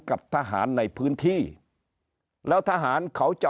กับทหารในพื้นที่แล้วทหารเขาจะ